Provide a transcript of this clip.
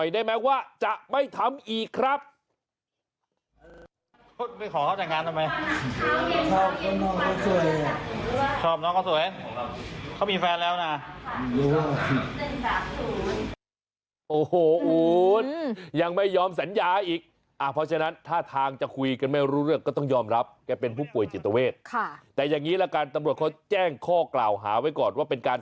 แล้วเอาเข้าควายมาแทนแล้วกัน